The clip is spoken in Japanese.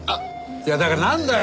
いやだからなんだよ！？